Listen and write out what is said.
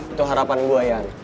itu harapan gue yan